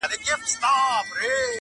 o ولولئ نر او ښځي ټول د کتابونو کیسې,